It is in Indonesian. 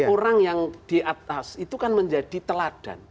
orang yang di atas itu kan menjadi teladan